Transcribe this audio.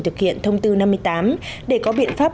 thực hiện thông tư năm mươi tám để có biện pháp